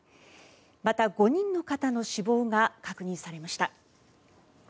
また、５人の方の死亡が確認されました。